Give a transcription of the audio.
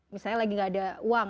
misalnya lagi gak ada uang